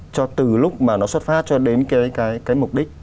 cho từ lúc mà nó xuất phát cho đến cái mục đích